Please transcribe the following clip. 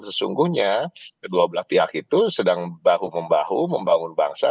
sesungguhnya kedua belah pihak itu sedang bahu membahu membangun bangsa